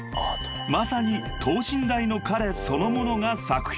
［まさに等身大の彼そのものが作品に］